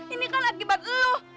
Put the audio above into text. ini kan akibat lu